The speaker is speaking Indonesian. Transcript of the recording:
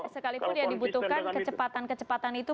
sekalipun yang dibutuhkan kecepatan kecepatan itu